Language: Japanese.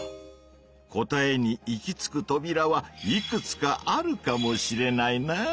答えに行き着くトビラはいくつかあるかもしれないなぁ。